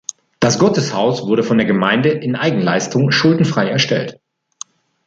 Das Gotteshaus wurde von der Gemeinde in Eigenleistung schuldenfrei erstellt.